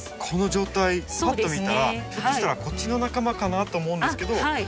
この状態パッと見たらひょっとしたらこっちの仲間かなと思うんですけど。